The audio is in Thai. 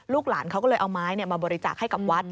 หลานเขาก็เลยเอาไม้มาบริจาคให้กับวัด